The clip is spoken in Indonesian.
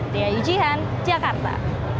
di ayujihan jakarta